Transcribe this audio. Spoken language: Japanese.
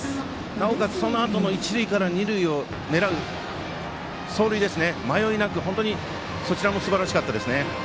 なおかつ、そのあとの一塁から二塁を狙う走塁迷いなく、そちらもすばらしかったです。